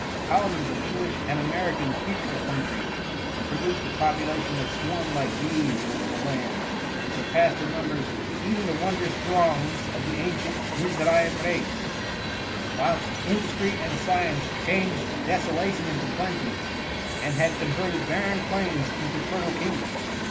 Colonies of English and Americans peopled the country, and produced a population that swarmed like bees over the land, and surpassed in numbers even the won drous throngs of the ancient Mizraim race ; whilst industry and science changed desola tion into plenty, and had converted barren plains into fertile kingdoms.